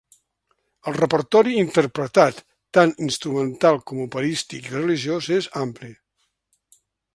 El repertori interpretat, tant instrumental com operístic i religiós, és ampli.